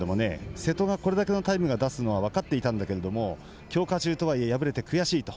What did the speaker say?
瀬戸が、これだけのタイムを出すっていうことは分かっていたんだけれども強化中とはいえ悔しいと。